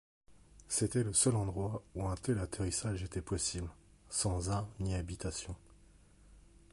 C'était le seul endroit où un tel atterrissage était possible, sans arbres ni habitations.